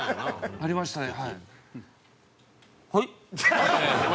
ありましたねはい。